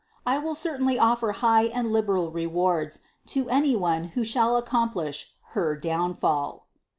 I will certainly offer high and liberal rewards to any one who shall accomplish her downfall."